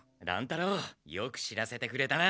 太郎よく知らせてくれたな。